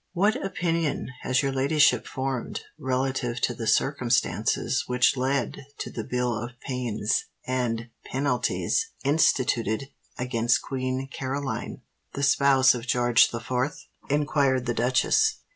"What opinion has your ladyship formed relative to the circumstances which led to the Bill of Pains and Penalties instituted against Queen Caroline, the spouse of George the Fourth?" inquired the duchess.